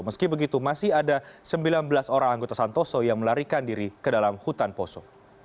meski begitu masih ada sembilan belas orang anggota santoso yang melarikan diri ke dalam hutan poso